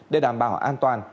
để đảm bảo an toàn